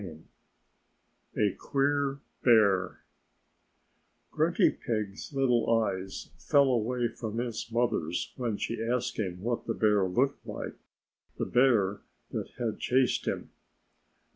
X A QUEER BEAR Grunty Pig's little eyes fell away from his mother's when she asked him what the bear looked like the bear that had chased him.